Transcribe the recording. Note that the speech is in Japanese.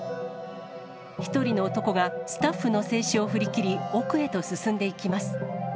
１人の男がスタッフの制止を振り切り、奥へと進んでいきます。